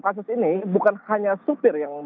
kasus ini bukan hanya supir yang